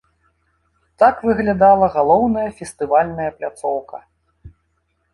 Так выглядала галоўная фестывальная пляцоўка.